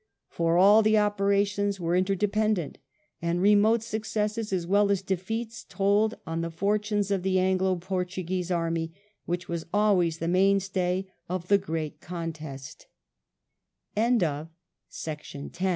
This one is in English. For all the operations were interdependent, and remote successes as well as defeats told on the fortunes of the Anglo Portuguese army, which was always the mainstay of the great cont